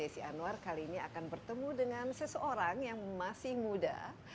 desi anwar kali ini akan bertemu dengan seseorang yang masih muda